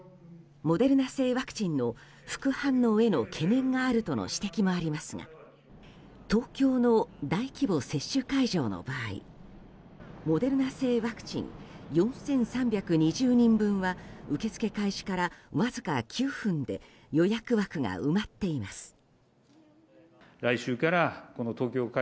モデルナ製ワクチンの副反応への懸念があるとの指摘もありますが東京の大規模接種会場の場合モデルナ製ワクチン４３２０人分は受け付け開始からわずか９分で予約枠が埋まっています。